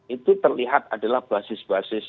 itu terlihat adalah basis basis